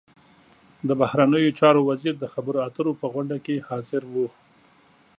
د بهرنیو چارو وزیر د خبرو اترو په غونډه کې حاضر و.